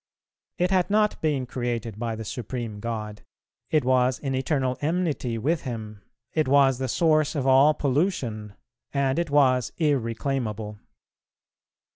It had not been created by the Supreme God; it was in eternal enmity with Him; it was the source of all pollution; and it was irreclaimable.